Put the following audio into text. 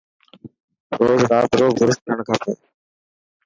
روز رات رو برش ڪرڻ کپي.